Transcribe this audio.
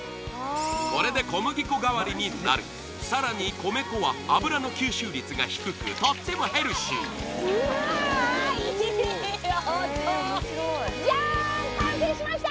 これで小麦粉代わりになるさらに米粉は油の吸収率が低くとってもヘルシーうわいい音ジャーン完成しました！